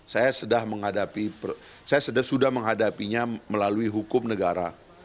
saya sudah menghadapinya melalui hukum negara